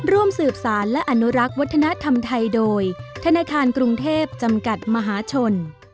ร่วมสืบสารและอนุรักษ์วัฒนธรรมไทยโดยธนาคารกรุงเทพจำกัดมหาชน